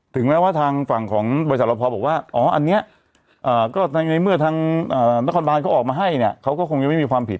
แม้ว่าทางฝั่งของบริษัทรพบอกว่าอ๋ออันนี้ก็ในเมื่อทางนครบานเขาออกมาให้เนี่ยเขาก็คงยังไม่มีความผิด